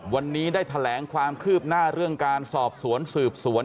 วันนี้ได้แถลงความคืบหน้าเรื่องการสอบสวนสืบสวน